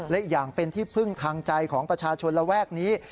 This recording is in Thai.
และอีกอย่างเป็นที่พึ่งทางใจของประชาชนระแวกนี้